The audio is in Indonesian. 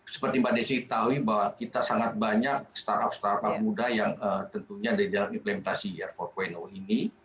seperti mbak desy tau bahwa kita sangat banyak startup startup muda yang tentunya ada dalam implementasi empat ini